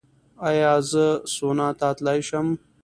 ایا زه سونا ته تلی شم؟